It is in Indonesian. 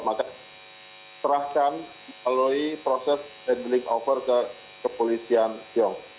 maka serahkan melalui proses handling over ke kepolisian tiongkok